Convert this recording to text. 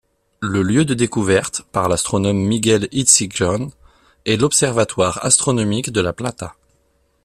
Le lieu de découverte, par l'astronome Miguel Itzigsohn, est l'observatoire astronomique de La Plata.